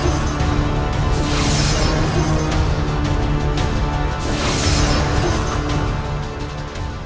apesnya harus biarkan k realmente and guard